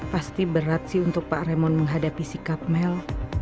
pasti berat sih untuk pak remon menghadapi sikap mel